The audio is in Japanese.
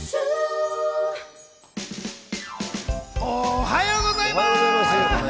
おはようございます！